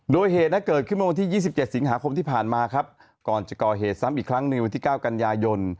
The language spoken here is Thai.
โดยเหตุนะเกิดขึ้นมาวันที่ยี่สิบเจ็ดสิงหาคมที่ผ่านมาครับก่อนจะก่อเหตุซ้ำอีกครั้งหนึ่งวันที่เก้ากันยายน